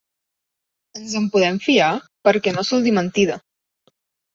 Ens en podem fiar, perquè no sol dir mentida.